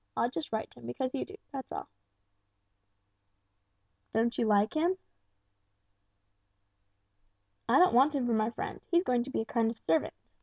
I just write to him because you do, that's all." "Don't you like him?" "I don't want him for my friend; he's going to be a kind of servant.